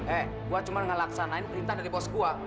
eh gue cuma ngelaksanain perintah dari bos gue